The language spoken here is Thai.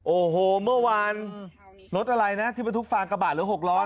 โอ้โหเมื่อวานรถอะไรนะที่บรรทุกฟางกระบาดหรือ๖ล้อ